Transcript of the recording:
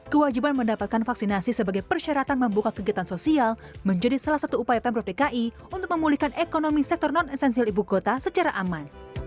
kewajiban mendapatkan vaksinasi sebagai persyaratan membuka kegiatan sosial menjadi salah satu upaya pemprov dki untuk memulihkan ekonomi sektor non esensial ibu kota secara aman